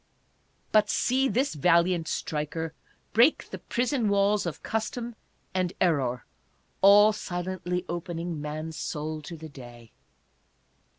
But see this valiant striker break the prison walls of Custom and Error, all silently opening man's soul to the day